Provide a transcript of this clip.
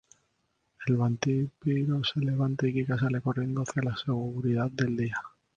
El vampiro se levanta y Kika sale corriendo hacia la seguridad del día.